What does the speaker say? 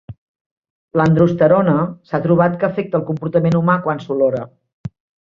L'androsterona s'ha trobat que afecta el comportament humà quan s'olora.